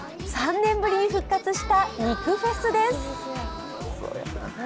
３年ぶりに復活した肉フェスです。